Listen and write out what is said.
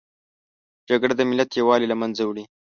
جګړه د ملت یووالي له منځه وړي